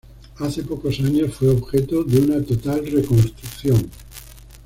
Hace pocos años fue objeto de una total reconstrucción.